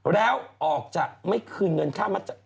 แล้วออกจะไม่คืนเงินค่ามัด